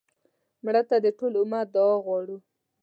مړه ته د ټول امت دعا غواړو